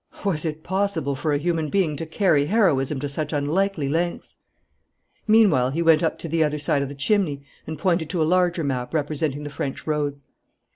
Was it possible for a human being to carry heroism to such unlikely lengths? Meanwhile, he went up to the other side of the chimney and pointed to a larger map, representing the French roads.